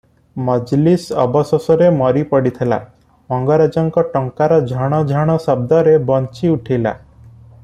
ମଜଲିସ ଅବଶୋଷରେ ମରି ପଡ଼ିଥିଲା, ମଙ୍ଗରାଜଙ୍କ ଟଙ୍କାର ଝଣ ଝଣ ଶବ୍ଦରେ ବଞ୍ଚିଉଠିଲା ।